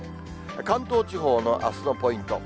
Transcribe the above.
関東地方のあすのポイント。